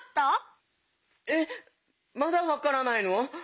えっまだわからないの？